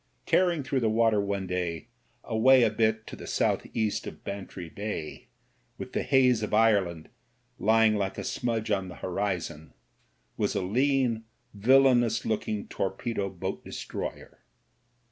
Tearing through the water one day, away a bit to the south west of Bantry Bay, with the haze of Ire land lying like a smudge on the horizon, was a lean, villainous looking torpedo boat destroyer.